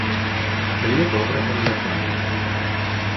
Це я добре пам'ятаю.